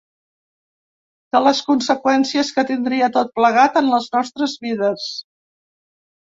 De les conseqüències que tindria tot plegat en les nostres vides.